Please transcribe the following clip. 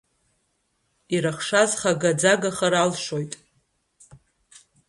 Ирыхшаз хагаӡагахар алшоит.